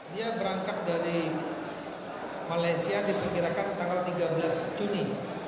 dia berangkat dari malaysia diperkirakan tanggal tiga belas juni